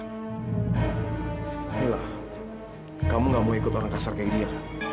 camila kamu gak mau ikut orang kasar kayak dia